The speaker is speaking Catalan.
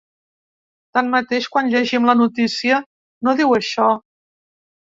Tanmateix, quan llegim la notícia, no diu això.